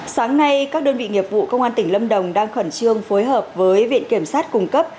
sáng nay các đơn vị nghiệp vụ công an tỉnh lâm đồng đang khẩn trương phối hợp với viện kiểm sát cung cấp